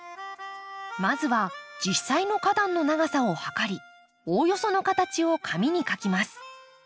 まずは実際の花壇の長さを測りおおよその形を紙に描きます。